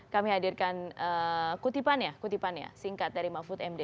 kami hadirkan kutipannya singkat dari mahfud md